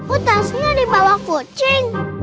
oh tasnya di bawah kucing